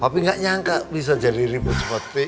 papi nggak nyangka bisa jadi ribut seperti ini mi